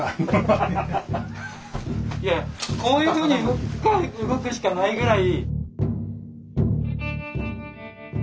いやいやこういうふうに動くしかないぐらい。